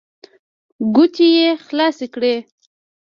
ګوتې يې خلاصې کړې.